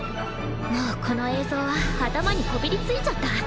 もうこの映像は頭にこびりついちゃった。